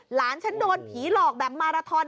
หลานฉันโดนผีหลอกแบบมาราทอน